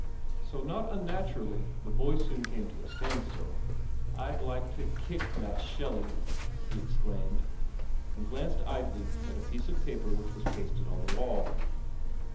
So not unnaturally the b< j mcame to a stand till. lk I'd like t<> kick that Shelley," he exclaimed, and glanced idly at a piece i paper which was pasted on the wall.